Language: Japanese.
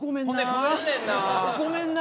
ごめんな。